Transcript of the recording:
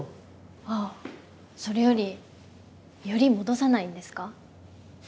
あっそれより寄り戻さないんですか？